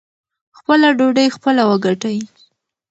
خپله ډوډۍ خپله وګټئ.